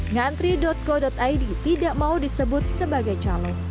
ngantri co id tidak mau disebut sebagai calon